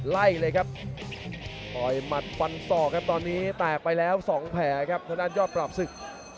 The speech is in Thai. ไล่เลยครับต่อยหมัดฟันศอกครับตอนนี้แตกไปแล้ว๒แผลครับทางด้านยอดปราบศึก